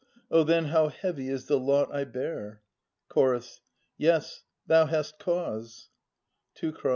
Oh, then how heavy is the lot I bear ! Ch. Yes; thou hast cause — Teu.